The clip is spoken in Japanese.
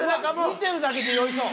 見てるだけで酔いそう。